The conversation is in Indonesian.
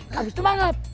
habis itu maram